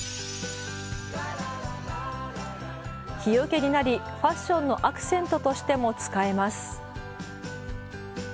日よけになりファッションのアクセントとしても使えます。